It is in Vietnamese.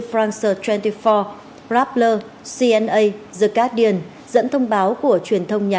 france hai mươi bốn rappler cna the guardian dẫn thông báo của truyền thông nước ngoài